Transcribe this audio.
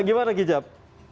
nah gimana kicap